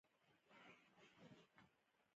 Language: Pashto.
په رنګینو فقراتو کې انشا شوی وو.